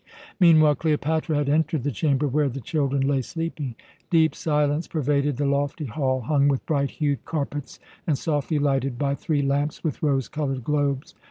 Meanwhile Cleopatra had entered the chamber where the children lay sleeping. Deep silence pervaded the lofty hall hung with bright hued carpets, and softly lighted by three lamps with rose colored globes.